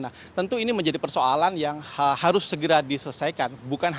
nah tentu ini menjadi persoalan yang harus segera diselesaikan